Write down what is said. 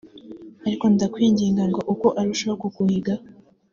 ariko ndakwinginga ngo uko arushaho kuguhiga